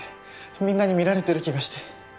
みんなに見られてる気がして。